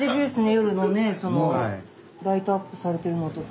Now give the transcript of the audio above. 夜のねそのライトアップされてるのとか。